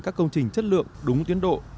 các công trình chất lượng đúng tuyến độ